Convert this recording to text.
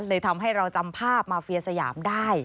ทำให้เราจำภาพมาเฟียสยามได้